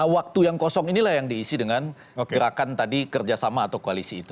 waktu yang kosong inilah yang diisi dengan gerakan tadi kerjasama atau koalisi itu